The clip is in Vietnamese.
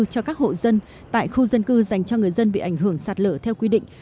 cho các hộ dân tại khu dân cư dành cho người dân bị ảnh hưởng sạt lở theo quy định